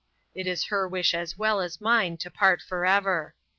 It is her wish as well as mine to part for ever.